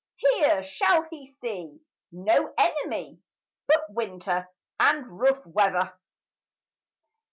Here shall he see No enemy But winter and rough weather.